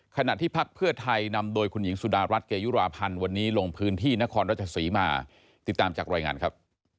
ขณะที่พักเพื่อไทยนำโดยคุณหญิงสุดารัฐเกยุราพันธ์วันนี้ลงพื้นที่นครราชศรีมาติดตามจากรายงานครับ